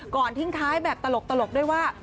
ทิ้งท้ายแบบตลกด้วยว่า